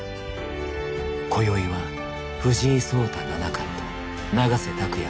今宵は藤井聡太七冠と永瀬拓矢